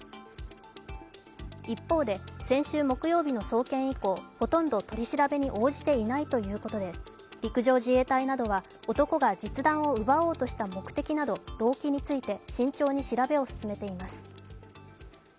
一方で、先週木曜日の送検以降、ほとんど取り調べに応じていないということで陸上自衛隊などは男が実弾を奪おうとした目的など動機について慎重に調べを進めています。